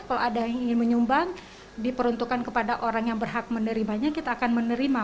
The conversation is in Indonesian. kalau ada yang ingin menyumbang diperuntukkan kepada orang yang berhak menerimanya kita akan menerima